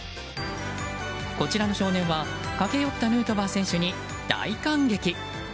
こちらの少年は駆け寄ったヌートバー選手に大感激。